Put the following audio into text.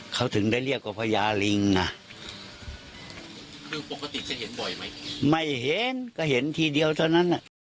เขาถึงได้เรียกกว่าพญาลิงอ่ะไม่เห็นก็เห็นทีเดียวเท่านั้น